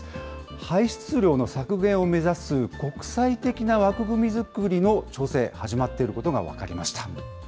排出量の削減を目指す国際的な枠組み作りの調整、始まっていることが分かりました。